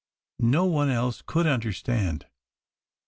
No one else could understand."